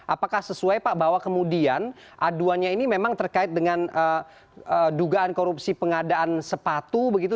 apakah sesuai pak bahwa kemudian aduannya ini memang terkait dengan dugaan korupsi pengadaan sepatu begitu